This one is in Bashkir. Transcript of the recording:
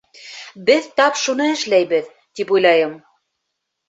Беҙ тап шуны эшләйбеҙ, тип уйлайым.